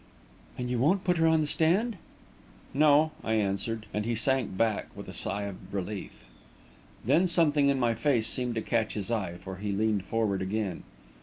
"And you won't put her on the stand?" "No," I answered, and he sank back with a sigh of relief. Then something in my face seemed to catch his eye, for he leaned forward again.